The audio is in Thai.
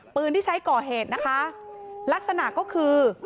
ปืนที่ใช้ก่อเหตุนะคะลักษณะก็คือ